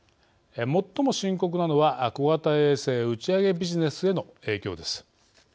最も深刻なのは小型衛星打ち上げビジネスへの影響です。